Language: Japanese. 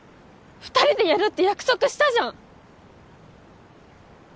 ２人でやるって約束したじゃん！